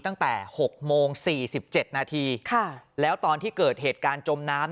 ตั้งแต่๖โมง๔๗นาทีแล้วตอนที่เกิดเหตุการณ์จมน้ำ